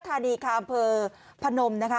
ธานีค่ะอำเภอพนมนะคะ